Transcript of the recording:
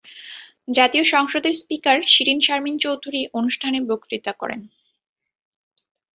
জাতীয় সংসদের স্পিকার শিরীন শারমিন চৌধুরী অনুষ্ঠানে বক্তৃতা করেন।